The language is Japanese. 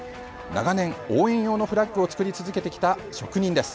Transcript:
長年、応援用のフラッグを作り続けてきた職人です。